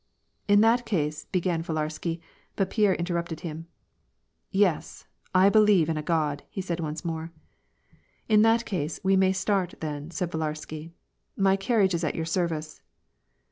" In that case," began Villarsky, but Pierre interrupted him,— " Yes, I believe in God," said he once more. "In that case, we may start, then," said Villarsky. "My carriage is at your service."